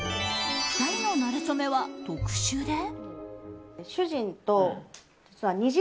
２人のなれ初めは特殊で。